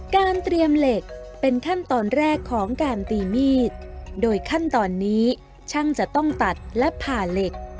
เตรียมเหล็กเป็นขั้นตอนแรกของการตีมีดโดยขั้นตอนนี้ช่างจะต้องตัดและผ่าเหล็ก